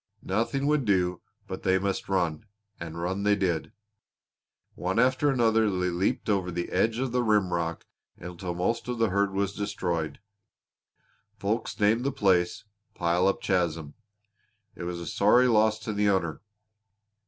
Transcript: Nothing would do but they must run and run they did. One after another they leaped over the edge of the rimrock until most of the flock was destroyed. Folks named the place 'Pile Up Chasm.' It was a sorry loss to the owner."